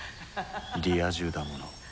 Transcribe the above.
リア充だもの。